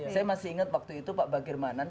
saya masih ingat waktu itu pak bagir manan